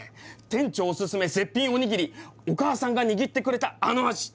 店長おすすめ絶品おにぎりお母さんが握ってくれたあの味。